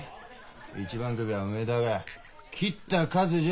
一番首はおめえだが斬った数じゃ